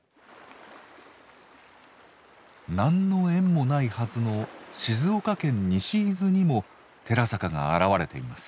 何の縁もないはずの静岡県西伊豆にも寺坂が現れています。